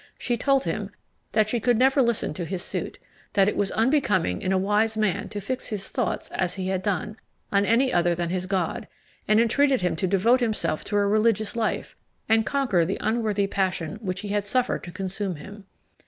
She told him that she could never listen to his suit; that it was unbecoming in a wise man to fix his thoughts, as he had done, on any other than his God; and entreated him to devote himself to a religious life, and conquer the unworthy passion which he had suffered to consume him.